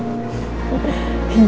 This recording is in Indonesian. kakak haji kosing